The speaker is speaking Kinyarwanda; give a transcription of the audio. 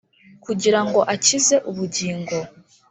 Kugira ngo akize ubugingo